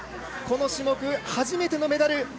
この種目初めてのメダル。